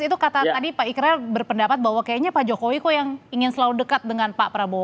itu kata tadi pak ikral berpendapat bahwa kayaknya pak jokowi kok yang ingin selalu dekat dengan pak prabowo